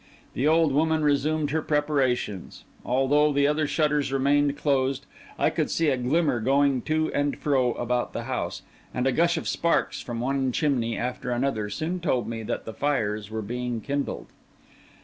The old woman resumed her preparations; although the other shutters remained closed, I could see a glimmer going to and fro about the house; and a gush of sparks from one chimney after another soon told me that the fires were being kindled.